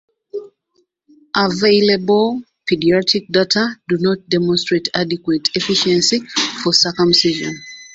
Available paediatric data do not demonstrate adequate efficacy for circumcision.